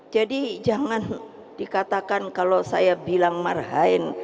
jadi jangan dikatakan kalau saya bilang marhain